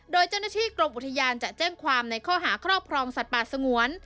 โดยเจ้าหน้าที่กรมอุทยานจะแจ้งความในข้อหาครอบครองสัตว์ป่าสงวน